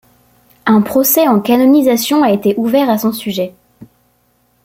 Un procès en canonisation a été ouvert à son sujet.